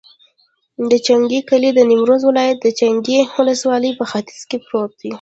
د چنګای کلی د نیمروز ولایت، چنګای ولسوالي په ختیځ کې پروت دی.